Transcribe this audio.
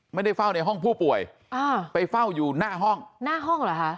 ไม่ได้เฝ้าในห้องผู้ป่วยอ่าไปเฝ้าอยู่หน้าห้องหน้าห้องเหรอคะ